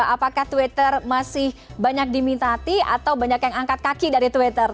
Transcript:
apakah twitter masih banyak diminta hati atau banyak yang angkat kaki dari twitter